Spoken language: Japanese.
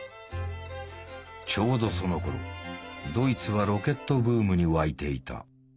ちょうどそのころドイツはロケットブームに沸いていた。